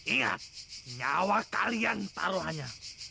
ingat nyawa kalian taruhannya